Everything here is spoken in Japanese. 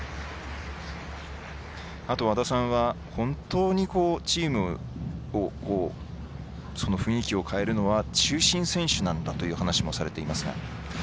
あと、和田さんが本当にチームの雰囲気を変えるのは中心選手なんだという話をされていますね。